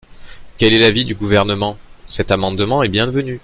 Quel est l’avis du Gouvernement ? Cet amendement est bienvenu.